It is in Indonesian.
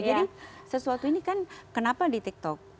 jadi sesuatu ini kan kenapa di tiktok